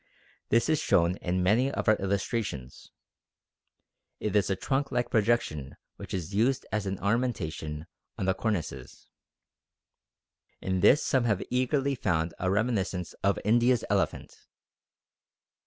This is shown in many of our illustrations. It is a trunk like projection which is used as an ornamentation on the cornices. In this some have eagerly found a reminiscence of India's elephant.